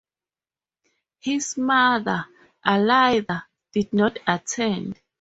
His mother, Alida, did not attend.